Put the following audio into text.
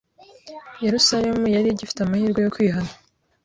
Yerusalemu yari igifite amahirwe yo kwihana